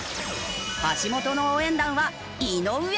橋本の応援団は井上瑞稀。